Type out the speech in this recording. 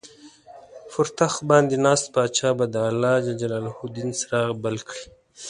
پر تخت باندې ناست پاچا به د الله دین څراغ بل کړي.